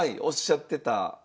おっしゃってた。